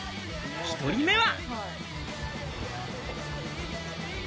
１人目は。